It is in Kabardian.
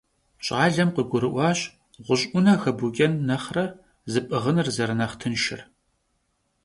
ЩӀалэм къыгурыӀуащ гъущӀ Ӏунэ хэбукӀэн нэхърэ зыпӀыгъыныр зэрынэхъ тыншыр.